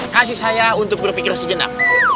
kasih saya untuk berpikir sejenak